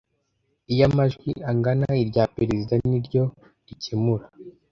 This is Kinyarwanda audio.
iyo amajwi angana irya perezida ni ryo rikemura